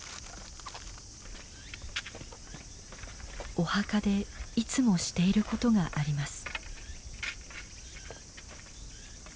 お墓でいつもしていることがあります。